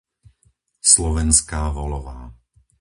Slovenská Volová